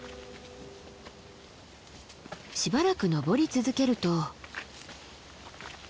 しばらく登り続けると。